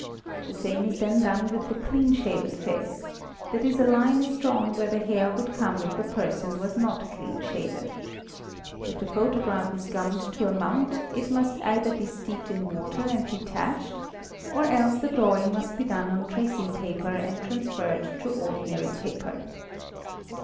'The same is then done with the clean shaven face, ¢.e., a line is drawn where the hair would come if the person was not clean shaven. If the photo graph is gummed to a mount it must either be steeped in water and detached, or else the drawing must be done on tracing paper and transferred to ordinary paper.